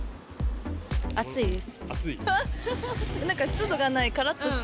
暑いです。